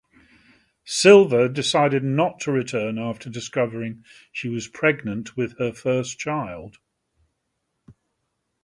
Silva decided not to return after discovering she was pregnant with her first child.